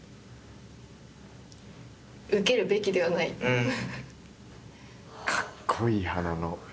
うん。